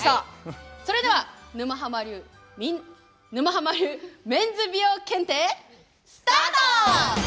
それでは、沼ハマ流・メンズ美容検定、スタート！